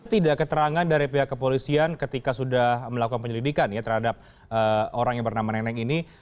tidak keterangan dari pihak kepolisian ketika sudah melakukan penyelidikan ya terhadap orang yang bernama neneng ini